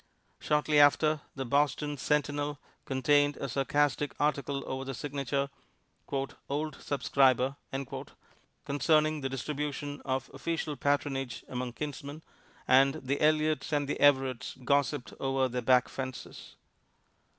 Shortly after, the Boston "Centinel" contained a sarcastic article over the signature, "Old Subscriber," concerning the distribution of official patronage among kinsmen, and the Eliots and the Everetts gossiped over their back fences.